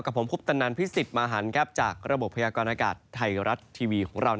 กับผมพุฟตนันพิสิทธิ์มาหันจากระบบพยากรณ์อากาศไทยรัตร์ทีวีของเรา